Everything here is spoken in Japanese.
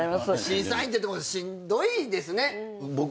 審査員ってでもしんどいですね。